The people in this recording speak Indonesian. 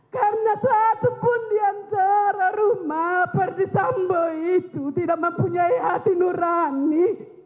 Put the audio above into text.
karena satu pun diantara rumah perdisambu itu tidak mempunyai hati nurani